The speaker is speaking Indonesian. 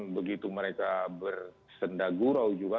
begitu mereka bersendagurau juga